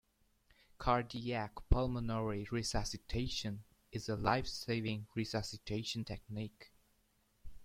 Cardiac Pulmonary Resuscitation is a life-saving resuscitation technique.